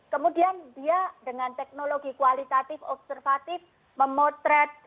kemudian dia dengan teknologi kualitatif observatif memotret